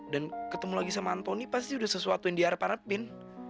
dan ketemu lagi sama antoni pasti udah sesuatu yang diharapkan